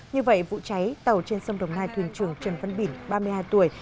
như vậy vụ cháy tàu trên sông đồng nai thuyền trưởng trần văn bỉnh ba mươi hai tuổi